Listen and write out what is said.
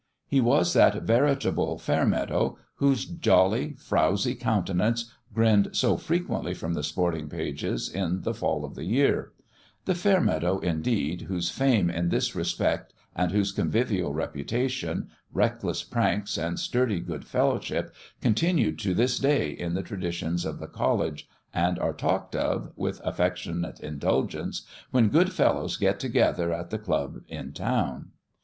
He was that veritable Fairmeadow whose jolly, frowzy countenance grinned so frequently from the sporting pages in the fall 156 THEOLOGICAL TRAINING of the year : the Fairmeadow, indeed, whose fame in this respect, and whose convivial repu tation, reckless pranks and sturdy good fellow ship continue to this day in the traditions of the College, and are talked of, with affectionate indulgence, when good fellows get together at the Club in town.